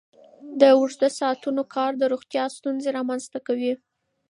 د اوږده ساعتونو کار د روغتیا ستونزې رامنځته کوي.